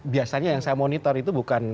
biasanya yang saya monitor itu bukan